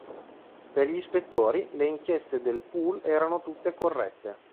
Per gli ispettori, le inchieste del "pool" erano tutte corrette.